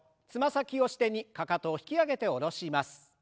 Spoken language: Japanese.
つま先を支点にかかとを引き上げて下ろします。